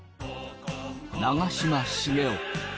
長嶋茂雄。